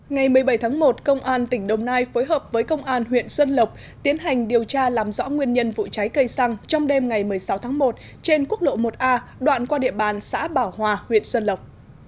ngày một mươi bảy tháng một công an tỉnh đồng nai phối hợp với công an huyện xuân lộc tiến hành điều tra làm rõ nguyên nhân vụ cháy cây xăng trong đêm ngày một mươi sáu tháng một trên quốc lộ một a đoạn qua địa bàn xã bảo hòa huyện xuân lộc